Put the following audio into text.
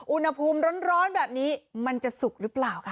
อุณหภูมิร้อนแบบนี้มันจะสุกหรือเปล่าค่ะ